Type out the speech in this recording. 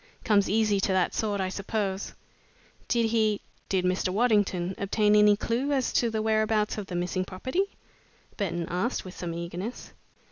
Comes easy to that sort, I suppose." "Did he did Mr. Waddington obtain any clue as to the whereabouts of the missing property?" Burton asked, with some eagerness.